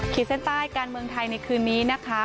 เส้นใต้การเมืองไทยในคืนนี้นะคะ